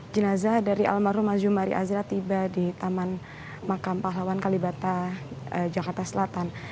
jenazah dari almarhum azumari azra tiba di taman makam pahlawan kalibata jakarta selatan